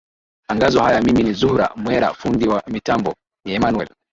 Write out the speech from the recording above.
angazo haya mimi ni zuhra mwera fundi wa mitambo ni emanuel